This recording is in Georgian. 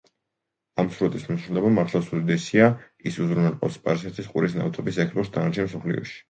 ამ სრუტის მნიშვნელობა მართლაც უდიდესია, ის უზრუნველყოფს სპარსეთის ყურის ნავთობის ექსპორტს დანარჩენ მსოფლიოში.